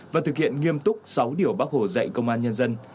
và thực hiện nghiêm túc sáu điều bác hồ dạy công an nhân dân